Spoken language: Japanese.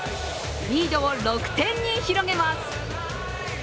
リードを６点に広げます。